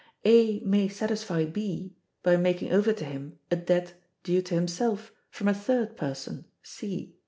A may satisfy B by making over to him a debt due to himself from a third person, C.